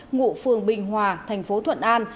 ngụ phường bình hòa thành phố thuận an